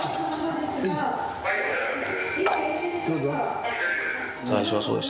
どうぞ。